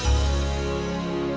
biar papa yang cari